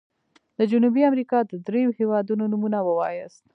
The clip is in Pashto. د جنوبي امريکا د دریو هيوادونو نومونه ووایاست.